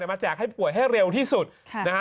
มาแจกให้ป่วยให้เร็วที่สุดนะฮะ